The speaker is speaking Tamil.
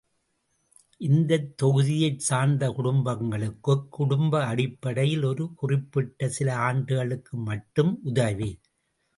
இந்தத் தொகுதியைச் சார்ந்த குடும்பங்களுக்குக் குடும்ப அடிப்படையில் ஒரு குறிப்பிட்ட சில ஆண்டுகளுக்கு மட்டும் உதவி.